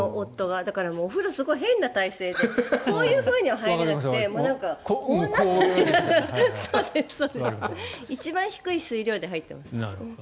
だから、お風呂すごい変な体勢でこういうふうには入れなくてこんなふうに。一番低い水量で入っています。